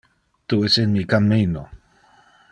Tu es in mi cammino.